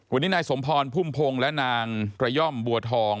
วันนี้นายสมพรพุ่มพงศ์และนางกระย่อมบัวทอง